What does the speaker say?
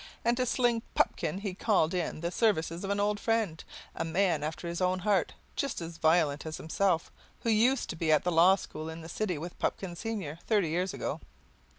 And to sling Pupkin he called in the services of an old friend, a man after his own heart, just as violent as himself, who used to be at the law school in the city with Pupkin senior thirty years ago.